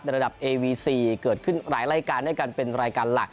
ระดับเอวีซีเกิดขึ้นหลายรายการด้วยกันเป็นรายการหลัก